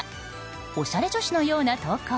おしゃれ女子のような投稿。